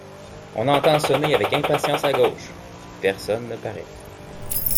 On entend sonner avec impatience à gauche, personne ne paraît.